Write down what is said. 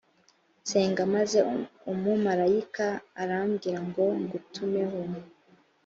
nsenga maze umumarayika arambwira ngo ngutumeho